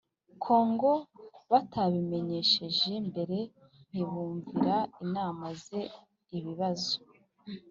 Kongo batabimenyesheje mbere ntibumvira inama ze Ibibazo